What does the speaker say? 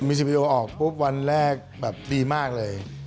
มีซิงเกิ้ลออกปุ๊บวันแรกแบบดีมากเลย